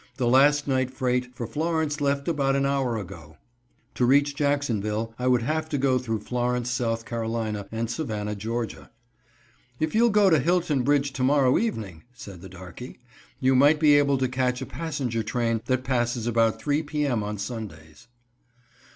"The last night freight for Florence left about an hour ago." To reach Jacksonville, I would have to go through Florence, S. C., and Savannah, Ga. "If you'll go to Hilton Bridge to morrow evening," said the darkey, "you might be able to catch a passenger train that passes about 3 p. m. on Sundays."